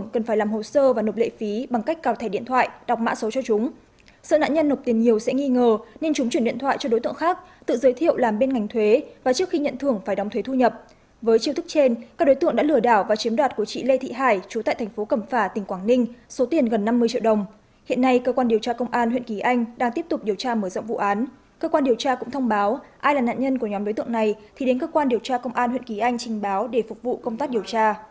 cơ quan điều tra cũng thông báo ai là nạn nhân của nhóm đối tượng này thì đến cơ quan điều tra công an huyện kỳ anh trình báo để phục vụ công tác điều tra